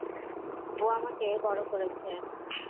ও আমাকে বড় করেছে।